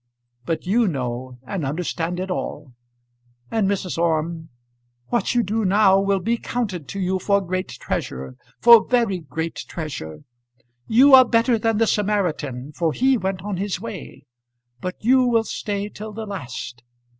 But you know and understand it all. And, Mrs. Orme, what you do now will be counted to you for great treasure, for very great treasure. You are better than the Samaritan, for he went on his way. But you will stay till the last.